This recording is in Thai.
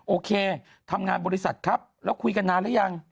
โอเคทำงานบริษัทครับแล้วคุยกันนานหรือยัง